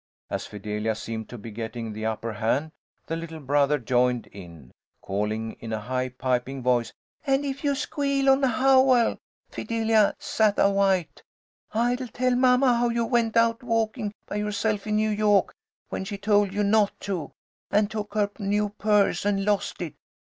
As Fidelia seemed to be getting the upper hand, the little brother joined in, calling in a high piping voice, "And if you squeal on Howell, Fidelia Sattawhite, I'll tell mamma how you went out walking by yourself in New York when she told you not to, and took her new purse and lost it!